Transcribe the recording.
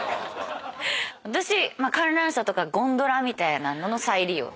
私観覧車とかゴンドラみたいなのの再利用。